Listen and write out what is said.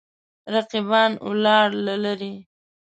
رقیبان ولاړ له لرې.